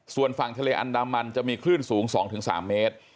ส่วนฝั่งทะเลอันดามันจะมีคลื่นสูง๒๓เมตร